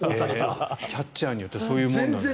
キャッチャーによってそういうものなんですね。